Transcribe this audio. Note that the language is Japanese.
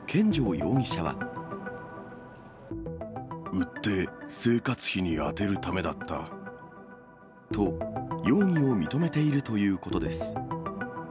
売って生活費に充てるためだと、容疑を認めているということです。